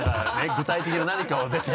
具体的な何かを出て。